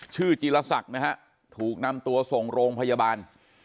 ชื่อจิลศักดิ์นะครับถูกนำตัวส่งโรงพยาบาล